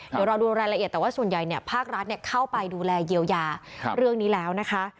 เดี๋ยวรอดูรายละเอียดแต่ว่าส่วนใหญ่ภาครัฐเข้าไปดูแลเยียวยาเรื่องนี้แล้วนะคะ